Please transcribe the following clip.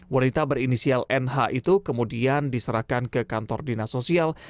wanita berinisial nh itu kemudian diserahkan ke kantor dinas sosial